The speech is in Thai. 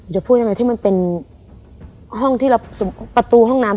อยู่ในห้องน้ำเป็นศพอยู่ในห้องน้ำ